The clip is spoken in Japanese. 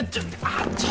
あっちょ。